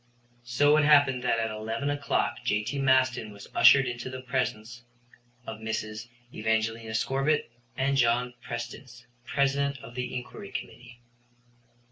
So it happened that at 11 o'clock J.T. Maston was ushered into the presence of Mrs. Evangelina Scorbitt and John Prestice, President of the Inquiry Committee.